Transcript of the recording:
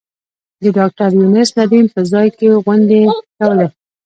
د ډاکټر یونس ندیم په ځای کې غونډې کولې.